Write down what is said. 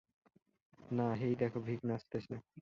না - হেই দেখো ভিক নাচতেছে?